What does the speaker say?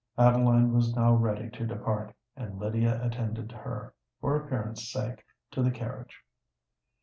Adeline was now ready to depart; and Lydia attended her, for appearance' sake, to the carriage.